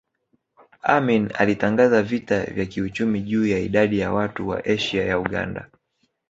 Amin alitangaza vita vya kiuchumi juu ya idadi ya watu wa Asia ya Uganda